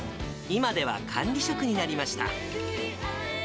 今では管理職になりました。